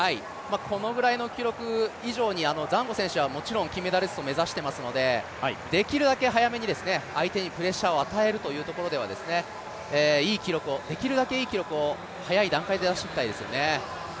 このぐらいの記録以上にザンゴ選手はもちろん金メダリストを目指していますのでできるだけ早めに相手にプレッシャーを与えるというところではできるだけいい記録を早い段階で出していきたいですね。